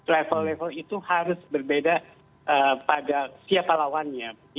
level level itu harus berbeda pada siapa lawannya